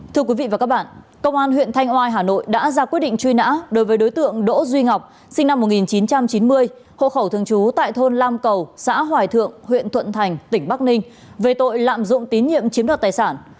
thưa quý vị và các bạn công an huyện thanh oai hà nội đã ra quyết định truy nã đối với đối tượng đỗ duy ngọc sinh năm một nghìn chín trăm chín mươi hộ khẩu thường trú tại thôn lam cầu xã hoài thượng huyện thuận thành tỉnh bắc ninh về tội lạm dụng tín nhiệm chiếm đoạt tài sản